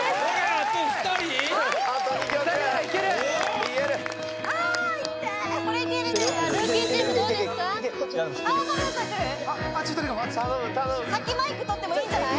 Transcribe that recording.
あっち２人が先マイク取ってもいいんじゃない？